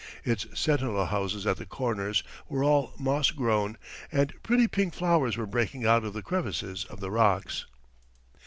Its sentinel houses at the corners were all moss grown, and pretty pink flowers were breaking out of the crevices of the rocks.